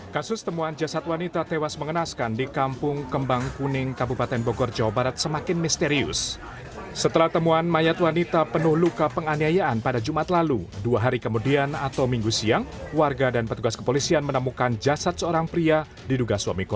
ditutupi tanaman kondisi jasad pun sudah tidak lagi utuh ketika ditemukan seorang warga yang